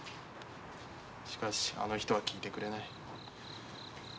しかしあの人は聞いてくれない。